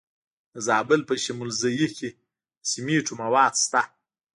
د زابل په شمولزای کې د سمنټو مواد شته.